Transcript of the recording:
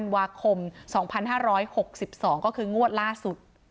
วาคมสองพันห้าร้อยหกสิบสองก็คืองวดล่าสุด